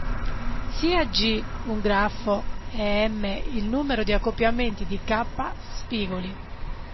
Sia "G" un grafo e "m" il numero di accoppiamenti di "k" spigoli.